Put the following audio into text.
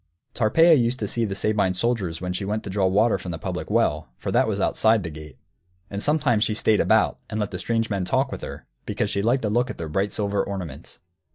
Tarpeia used to see the Sabine soldiers when she went to draw water from the public well, for that was outside the gate. And sometimes she stayed about and let the strange men talk with her, because she liked to look at their bright silver ornaments.